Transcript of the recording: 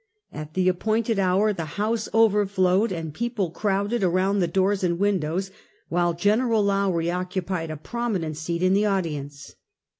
At the appointed hour the house over flowed, and people crowded around the doors and windows, while Gen. Lowrie occupied a prominent seat in the audience.